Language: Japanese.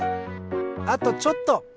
あとちょっと！